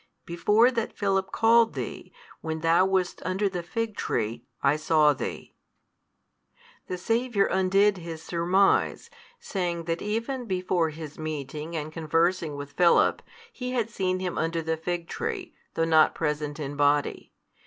Before that Philip called thee, when thou wast under the fig tree, I saw thee. The Saviour undid his surmise, saying that even before his meeting and conversing with Philip, He had seen him under the fig tree, though not present in Body.